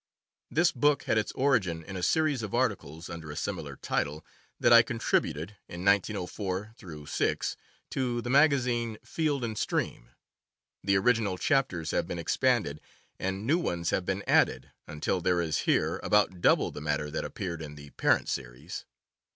This book had its origin in a series of articles, under a similar title, that I contributed, in 1904 6, to the magazine Field and Stream. The original chapters have been expanded, and new ones have been added, until there is here about double the matter that appeared in the parent series.